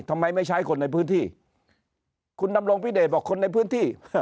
ทำไมไม่ใช้คนในพื้นที่คุณดำรงพิเดชบอกคนในพื้นที่